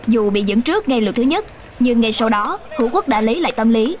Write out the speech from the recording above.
dù bị dẫn trước ngay lượt thứ nhất nhưng ngay sau đó hữu quốc đã lấy lại tâm lý